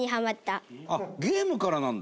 伊達：ゲームからなんだ？